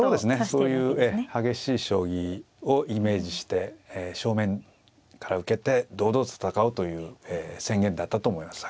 そういう激しい将棋をイメージして正面から受けて堂々と戦うという宣言だったと思います。